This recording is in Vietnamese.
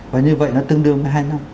và như vậy nó tương đương với hai năm